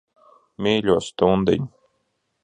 Mīļo stundiņ.